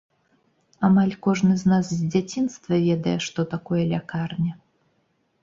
Амаль кожны з нас з дзяцінства ведае, што такое лякарня.